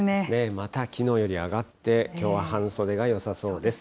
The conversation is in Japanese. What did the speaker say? またきのうより上がって、きょうは半袖がよさそうです。